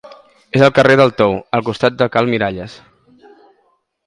És al carrer del Tou, al costat de cal Miralles.